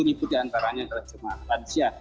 enam puluh tujuh ribu diantaranya jemaah lanjia